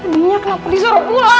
kenapa kenapa dia nyuruh pulang